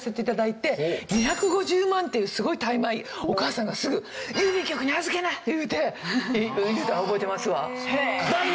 ２５０万っていうすごい大枚お母さんがすぐ「郵便局に預けな！」って言うて言うてたの覚えてますわ。